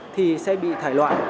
thì sẽ bị thải loại